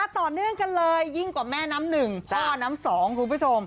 ต่อเนื่องกันเลยยิ่งกว่าแม่น้ำหนึ่งพ่อน้ำสองคุณผู้ชม